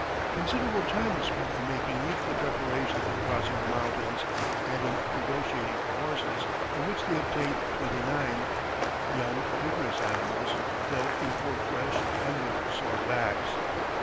Considerable time was spent in making needful preparations for crossing the mountains and in negotiating for horses, of which they obtained twenty nine young, vigorous animals, though in poor flesh and with sore backs.